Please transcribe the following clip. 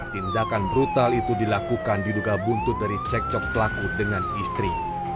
tindakan brutal itu dilakukan diduga buntut dari cekcok pelaku dengan istri